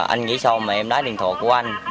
anh nghĩ sao mà em lái điện thoại của anh